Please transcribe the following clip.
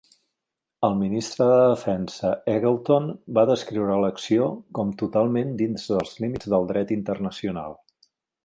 El Ministre de Defensa Eggleton va descriure l'acció com totalment dins dels límits del dret internacional.